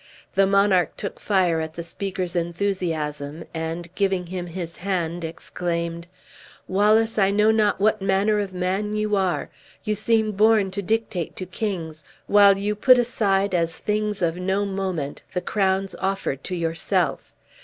The monarch took fire at the speaker's enthusiasm, and, giving him his hand, exclaimed: "Wallace, I know not what manner of man you are! You seem born to dictate to kings, while you put aside as things of no moment the crowns offered to yourself.